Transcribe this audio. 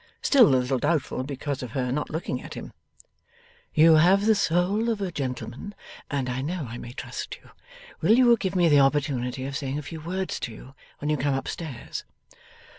Still a little doubtful, because of her not looking at him. 'You have the soul of a gentleman, and I know I may trust you. Will you give me the opportunity of saying a few words to you when you come up stairs?